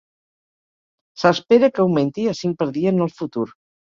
S'espera que augmenti a cinc per dia en el futur.